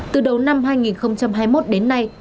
từ đầu năm hai nghìn hai mươi một đến nay